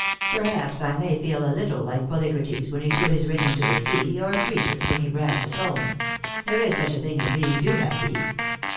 Perhaps I may feel a little like Polycrates when he threw his ring into the sea, or Croesus when he bragged to Solon. There is such a thing as being too happy."